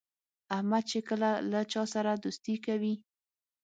احمد چې کله له چا سره دوستي کوي،